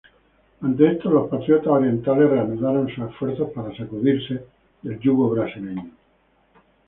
Ante esto, los patriotas orientales reanudaron sus esfuerzos para sacudirse del yugo brasileño.